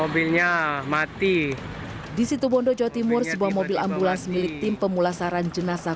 mobilnya mati di situ bondo jawa timur sebuah mobil ambulans milik tim pemulasaran jenazah